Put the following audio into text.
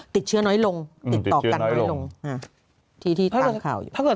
ติดเชื้อน้อยลงติดต่อกันน้อยลง